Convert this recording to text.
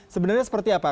sebenarnya seperti apa